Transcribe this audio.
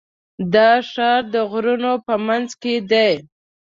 دا ښار د غرونو په منځ کې دی.